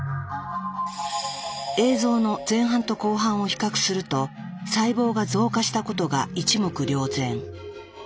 映像の前半と後半を比較すると細胞が増加したことが一目瞭然。